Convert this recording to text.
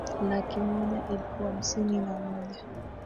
laki moja elfu hamsini na moja